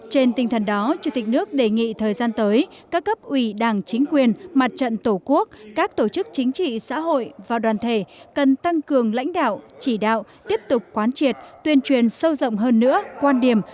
trên tinh thần đó chủ tịch nước đề nghị thời gian tới các cấp ủy đảng chính quyền mặt trận tổ quốc các tổ chức chính trị xã hội và đoàn thể cần tăng cường lãnh đạo chỉ đạo tiếp tục quán triệt tuyên truyền sâu rộng hơn nữa quan điểm